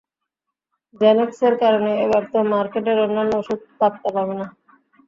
জ্যানেক্সের কারণে এবার তো মার্কেটের অন্যান্য ওষুধ পাত্তা পাবে না!